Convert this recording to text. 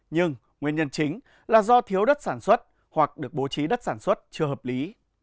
nhưng nguyên nhân chính là do thiếu đất sản xuất hoặc được bố trí đất sản xuất chưa hợp lý